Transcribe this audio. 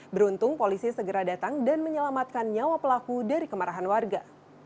beruntung polisi segera datang dan menyelamatkan nyawa pelaku dari kemarahan warga